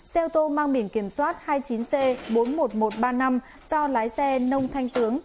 xe ô tô mang biển kiểm soát hai mươi chín c bốn mươi một nghìn một trăm ba mươi năm do lái xe nông thanh tướng